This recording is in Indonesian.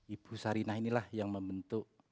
ibu sarinah inilah yang membentuk